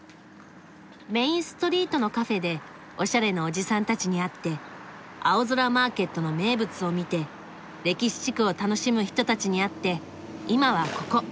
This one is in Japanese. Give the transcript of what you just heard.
メインストリートのカフェでおしゃれなおじさんたちに会って青空マーケットの名物を見て歴史地区を楽しむ人たちに会って今はここ。